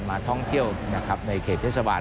นักท่องเที่ยวนะครับในเขตเทศบาล